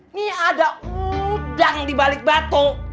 ini ada udang dibalik batu